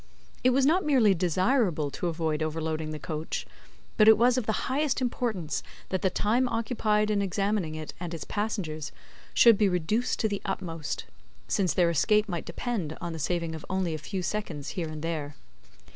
It was not merely desirable to avoid overloading the coach, but it was of the highest importance that the time occupied in examining it and its passengers, should be reduced to the utmost; since their escape might depend on the saving of only a few seconds here and there.